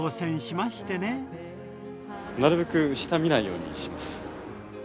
なるべく下見ないようにします。